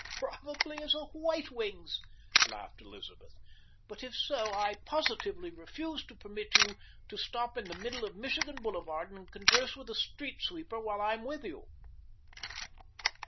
"Probably as a white wings," laughed Elizabeth. "But if so I positively refuse to permit you to stop in the middle of Michigan Boulevard and converse with a street sweeper while I'm with you."